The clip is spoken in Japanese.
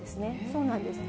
そうなんです。